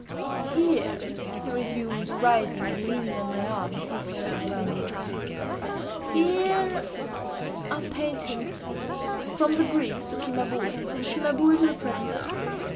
"Here," he resumed, arising and leaning on my arm as he sauntered around the apartment, "here are paintings from the Greeks to Cimabue, and from Cimabue to the present hour.